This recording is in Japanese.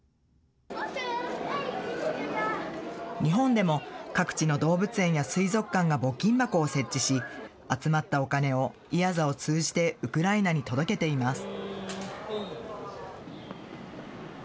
日本でも、各地の動物園や水族館が募金箱を設置し、集まったお金をＥＡＺＡを通じてウクライナに届けています。